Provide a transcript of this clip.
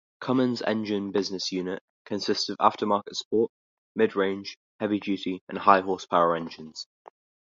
Cummins Engine Business Unit consists of Aftermarket support, Mid-Range, Heavy-Duty, and High-Horsepower Engines.